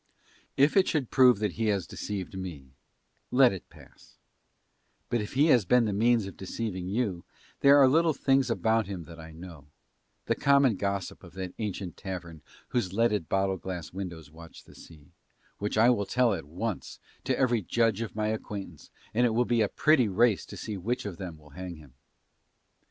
If it should prove that he has deceived me, let it pass; but if he has been the means of deceiving you there are little things about him that I know, the common gossip of that ancient tavern whose leaded bottle glass windows watch the sea, which I will tell at once to every judge of my acquaintance, and it will be a pretty race to see which of them will hang him.